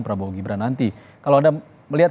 prabowo gibran nanti kalau anda melihat